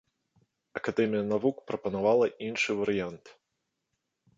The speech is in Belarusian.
Акадэмія навук прапанавала іншы варыянт.